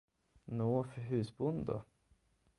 Nå, för husbond då?